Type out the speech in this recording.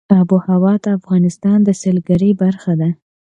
آب وهوا د افغانستان د سیلګرۍ برخه ده.